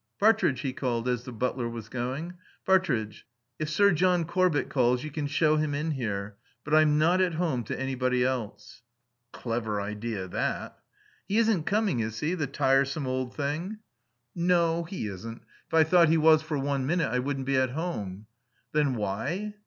"Partridge," he called, as the butler was going, "Partridge, if Sir John Corbett calls you can show him in here; but I'm not at home to anybody else." (Clever idea, that.) "He isn't coming, is he, the tiresome old thing?" "No. He isn't. If I thought he was for one minute I wouldn't be at home." "Then why